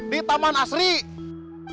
di taman asri om